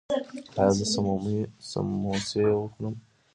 ایا زه سموسې وخورم؟